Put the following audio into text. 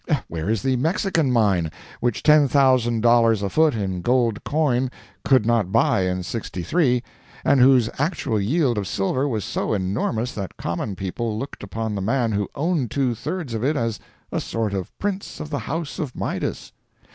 Where is the Mexican mine, which ten thousand dollars a foot in gold coin could not buy in '63, and whose actual yield of silver was so enormous that common people looked upon the man who owned two thirds of it as a sort of prince of the House of Midas?